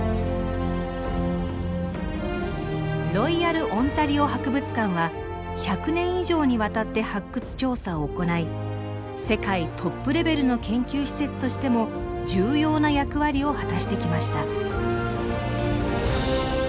「ロイヤルオンタリオ博物館」は１００年以上にわたって発掘調査を行い世界トップレベルの研究施設としても重要な役割を果たしてきました。